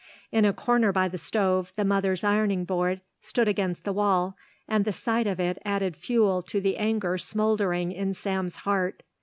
In a corner by the stove the mother's ironing board stood against the wall and the sight of it added fuel to the anger smouldering in Sam's heart.